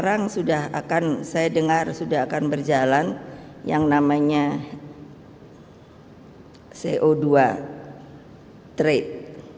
sekarang sudah akan saya dengar sudah akan berjalan yang namanya co dua trade